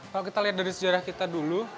kalau kita lihat dari sejarah kita dulu